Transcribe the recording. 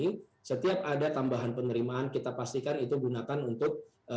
jadi setiap ada tambahan penerimaan kita pastikan itu gunakan untuk